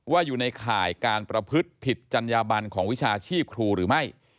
ว่าอยู่ในข่ายการประพฤติผิดจัญญาบันของวิชาชีพครูหรือไม่